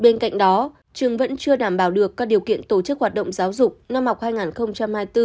bên cạnh đó trường vẫn chưa đảm bảo được các điều kiện tổ chức hoạt động giáo dục năm học hai nghìn hai mươi bốn hai nghìn hai mươi năm